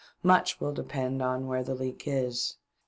" Much will depend on where the leak is.